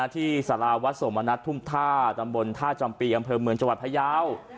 ที่สาราวัดสมณัฐทุ่มท่าตำบลท่าจำปีอำเภอเมืองจังหวัดพยาว